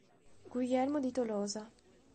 Guglielmo di Tolosa